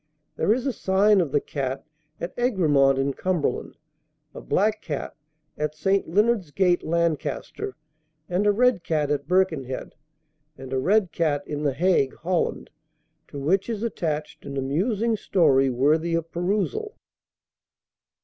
There is a sign of "The Cat" at Egremont, in Cumberland, a "Black Cat" at St. Leonard's Gate, Lancaster, and a "Red Cat" at Birkenhead; and a "Red Cat" in the Hague, Holland, to which is attached an amusing story worthy of perusal.